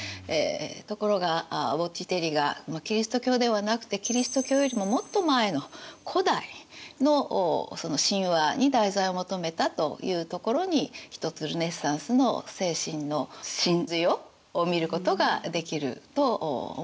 ところがボッティチェリがキリスト教ではなくてキリスト教よりももっと前の古代の神話に題材を求めたというところに一つルネサンスの精神の真髄を見ることができると思います。